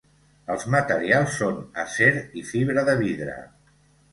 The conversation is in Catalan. Els materials són acer i fibra de vidre.